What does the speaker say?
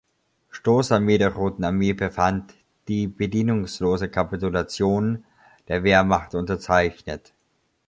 Stoßarmee der Roten Armee befand, die bedingungslose Kapitulation der Wehrmacht unterzeichnet.